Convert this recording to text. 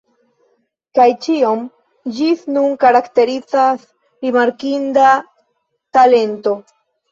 Kaj ĉion, ĝis nun, karakterizas rimarkinda talento.